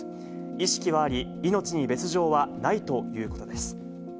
意識はあり、命に別状はないということです。